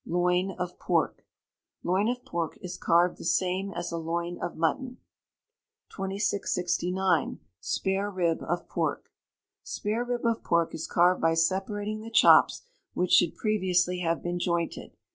Loin of Pork. Loin of pork is carved the same as a loin of mutton. 2669. Spare rib of Pork. Spare rib of pork is carved by separating the chops, which should previously have been jointed.